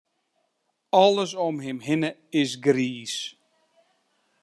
Alles om him hinne is griis.